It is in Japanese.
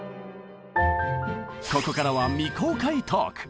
ここからは未公開トーク！